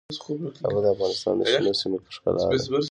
کابل د افغانستان د شنو سیمو ښکلا ده.